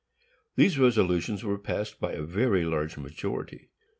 These resolutions were passed by a very large majority.